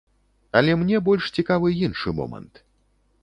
Але мне больш цікавы іншы момант.